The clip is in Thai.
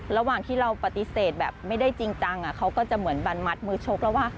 ระหว่างที่เราปฏิเสธแบบไม่ได้จริงจังเขาก็จะเหมือนบันมัดมือชกแล้วว่า